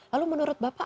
lalu menurut bapak